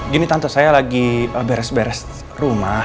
gini tante saya lagi beres beres rumah